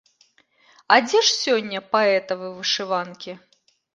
А дзе ж сёння паэтавы вышыванкі?